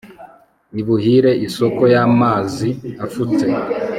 ibuhire isoko y'amazi afutse